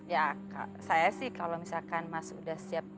ya saya sih kalau misalkan mas udah siap